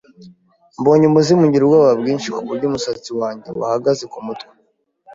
Mbonye umuzimu, ngira ubwoba bwinshi kuburyo umusatsi wanjye wahagaze kumutwe.